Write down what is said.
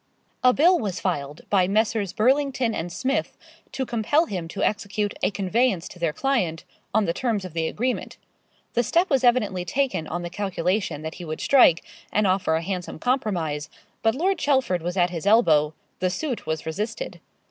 A bill was filed by Messrs. Burlington and Smith, to compel him to execute a conveyance to their client on the terms of the agreement. The step was evidently taken on the calculation that he would strike, and offer a handsome compromise; but Lord Chelford was at his elbow the suit was resisted.